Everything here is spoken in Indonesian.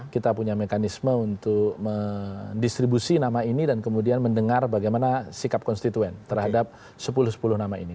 kita punya mekanisme untuk mendistribusi nama ini dan kemudian mendengar bagaimana sikap konstituen terhadap sepuluh sepuluh nama ini